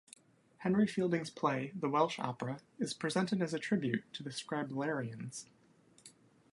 Henry Fielding's play, "The Welsh Opera" is presented as a tribute to the "Scriblerians".